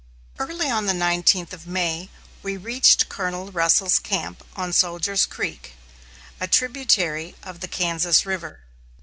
Early on the nineteenth of May we reached Colonel Russel's camp on Soldiers' Creek, a tributary of the Kansas River.